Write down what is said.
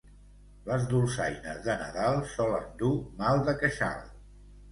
Les dolçaines de Nadal solen dur mal de queixal.